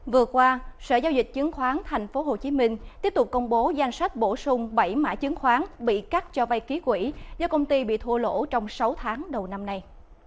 vừa qua sở giao dịch chứng khoán tp hcm tiếp tục công bố danh sách bổ sung bảy mã chứng khoán bị cắt cho vay ký quỷ do công ty bị thua lỗ trong sáu tháng đầu năm nay